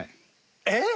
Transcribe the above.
えっ！？